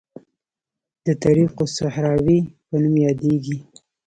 د طریق الصحراوي په نوم یادیږي.